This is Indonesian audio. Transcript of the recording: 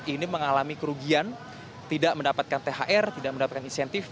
ini mengalami kerugian tidak mendapatkan thr tidak mendapatkan insentif